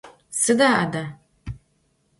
Sıda ade?